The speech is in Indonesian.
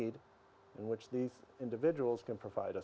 dan itu adalah banyaknya